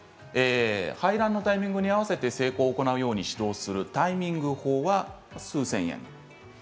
排卵のタイミングに合わせて性交を行うように指導するタイミング法は数千円。